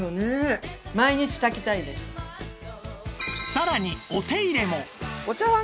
さらにお手入れも